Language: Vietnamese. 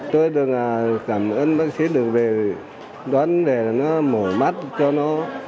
tôi cảm ơn bác sĩ được đón về bệnh viện mắt hà giang